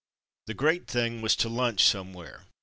The great thing was to lunch somewhere.